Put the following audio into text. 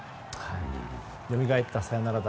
よみがえったサヨナラ打。